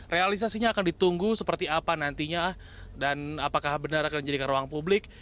realisasinya akan ditunggu seperti apa nantinya dan apakah benar akan dijadikan ruang publik